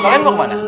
kalian mau kemana